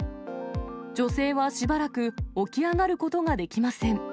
女性はしばらく起き上がることができません。